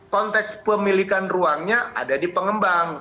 konteks pemilikan ruangnya ada di pengembang